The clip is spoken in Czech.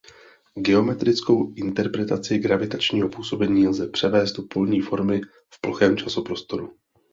Geometrickou interpretaci gravitačního působení lze převést do polní formy v plochém časoprostoru.